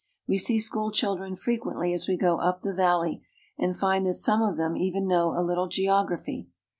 We see school children frequently as we go up the valley, and find that some of them even know a little geography.